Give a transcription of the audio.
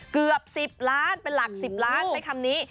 เกือบ๑๐ล้านเป็นหลัก๑๐ล้านใช้คำนี้